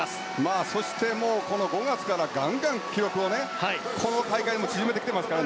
そして５月からガンガン、記録をこの大会に向けてきていますから。